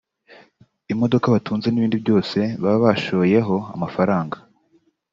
imodoka batunze n’ibindi byose baba bashoyeho amafaranga